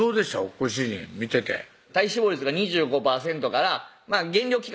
ご主人見てて体脂肪率が２５％から減量期間